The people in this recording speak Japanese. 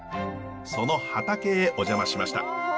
その畑へお邪魔しました。